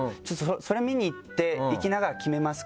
それ見に行って行きながら決めますか」